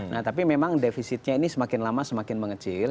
nah tapi memang defisitnya ini semakin lama semakin mengecil